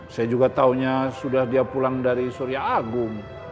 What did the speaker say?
saya juga tahunya sudah dia pulang dari surya agung